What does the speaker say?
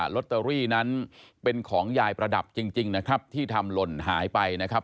ลอตเตอรี่นั้นเป็นของยายประดับจริงนะครับที่ทำหล่นหายไปนะครับ